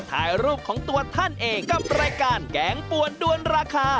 ถ่ายรูปของตัวท่านเองกับรายการแกงปวนด้วนราคา